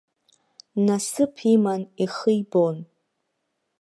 Насыԥ иман ихы ибон.